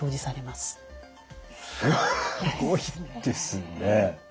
すごいですね！